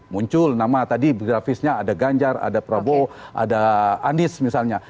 muncul nama tadi grafisnya ada ganjar ada prabowo ada anies misalnya